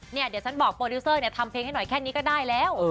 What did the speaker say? เดี๋ยวฉันบอกโปรดิวเซอร์เนี่ยทำเพลงให้หน่อยแค่นี้ก็ได้แล้ว